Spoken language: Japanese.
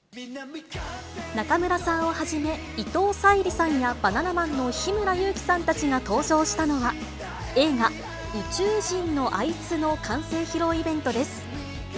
中村さんをはじめ、伊藤沙莉さんやバナナマンの日村勇紀さんたちが登場したのは、映画、宇宙人のあいつの完成披露イベントです。